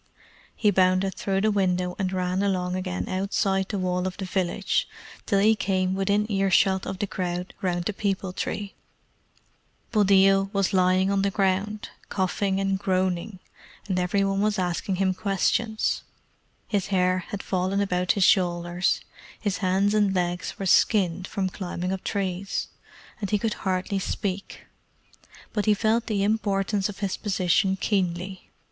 He bounded through the window and ran along again outside the wall of the village till he came within ear shot of the crowd round the peepul tree. Buldeo was lying on the ground, coughing and groaning, and every one was asking him questions. His hair had fallen about his shoulders; his hands and legs were skinned from climbing up trees, and he could hardly speak, but he felt the importance of his position keenly.